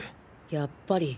やっぱり。